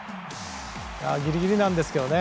ギリギリなんですけどね